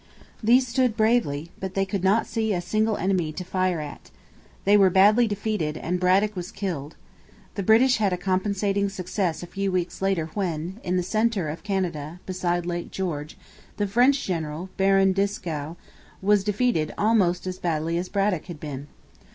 These stood bravely, but they could not see a single enemy to fire at. They were badly defeated, and Braddock was killed. The British had a compensating success a few weeks later when, in the centre of Canada, beside Lake George, the French general, Baron Dieskau, was defeated almost as badly as Braddock had been.